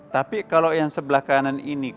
tapi kalau yang sebelah kanan ini